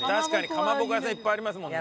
かまぼこ屋さんいっぱいありますもんね。